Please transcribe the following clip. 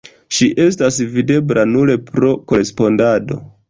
Ŝi estas videbla nur pro korespondado.